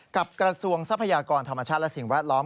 กระทรวงทรัพยากรธรรมชาติและสิ่งแวดล้อม